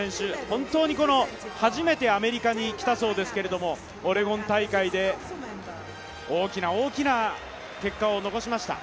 本当に初めてアメリカに来たそうですけれども、オレゴン大会で大きな大きな結果を残しました。